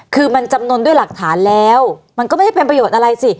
คือมันจำนวนด้วยหลักฐานแล้วมันก็ไม่ได้เป็นประโยชน์อะไรสิ